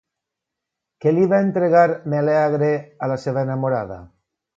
Què li va entregar, Melèagre, a la seva enamorada?